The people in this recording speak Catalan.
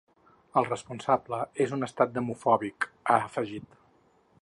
El responsable és un estat demofòbic, ha afegit.